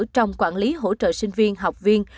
trong quản lý hỗ trợ sinh viên học viên